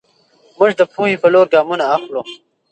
موږ د پوهې په لور ګامونه اخلو.